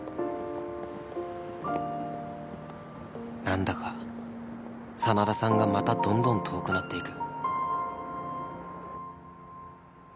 なんだか真田さんがまたどんどん遠くなっていく